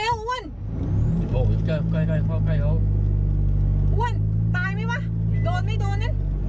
อ้วนตายมั้ยวะโดนมั้ยโดนนั้น